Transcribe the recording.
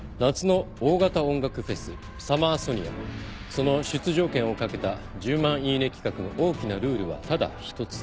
その出場権を懸けた１０万イイネ企画の大きなルールはただ一つ。